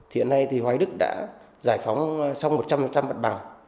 hiện nay hoài đức đã giải phóng xong một trăm linh bật bào